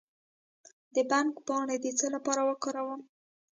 د بنګ پاڼې د څه لپاره وکاروم؟